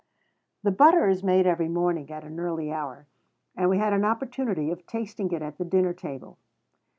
The butter is made every morning at an early hour; and we had an opportunity of tasting it at the dinner table.